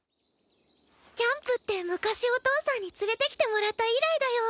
キャンプって昔お父さんに連れてきてもらった以来だよ。